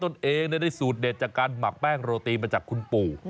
ตัวเองได้สูตรเด็ดจากการหมักแป้งโรตีมาจากคุณปู่